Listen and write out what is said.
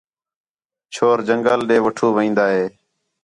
چھور جنگل ݙے وٹھو وین٘دا ہِے